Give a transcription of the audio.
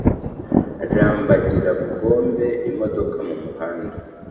Rambagira Bugondo.-Imodoka mu muhanda.